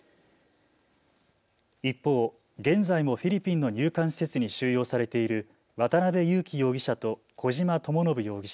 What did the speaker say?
一方、現在もフィリピンの入管施設に収容されている渡邉優樹容疑者と小島智信容疑者。